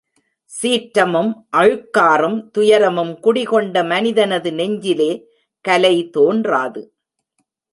சீற்றமும் அழுக்காறும் துயரமும் குடிகொண்ட மனிதனது நெஞ்சிலே கலை தோன்றாது.